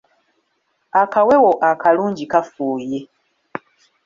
Akawewo akalungi kafuuye.